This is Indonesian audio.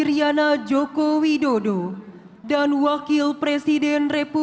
tanahku tak perlu